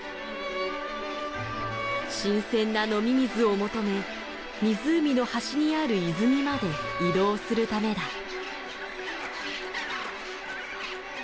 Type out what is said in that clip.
新鮮な飲み水を求め湖の端にある泉まで移動するためだ。